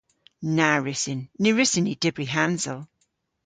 Na wrussyn. Ny wrussyn ni dybri hansel.